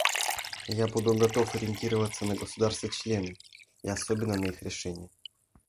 Я буду готов ориентироваться на государства-члены, и особенно на их решения.